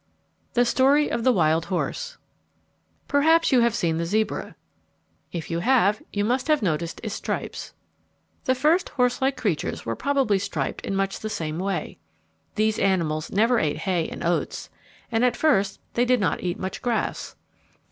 The Story of the Wild Horse Perhaps you have seen the zebra. If you have, you must have noticed its stripes. The first horse like creatures were probably striped in much the same way. These animals never ate hay and oats; and, at first, they did not eat much grass.